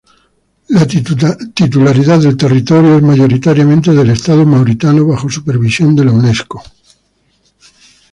La titularidad del territorio es mayoritariamente del estado mauritano bajo supervisión de la Unesco.